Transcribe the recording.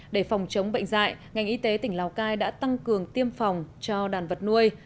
để phòng chống bệnh dạy ngành y tế tỉnh lào cai đã tăng cường tiêm phòng cho đàn vật nuôi